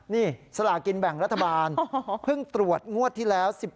นี่สลากินแบ่งรัฐบาลเพิ่งตรวจงวดที่แล้ว๑๖